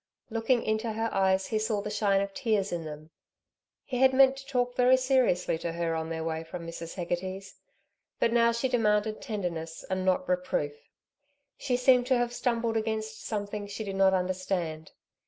Looking into her eyes he saw the shine of tears in them. He had meant to talk very seriously to her on their way from Mrs. Hegarty's; but now she demanded tenderness and not reproof. She seemed to have stumbled against something she did not understand.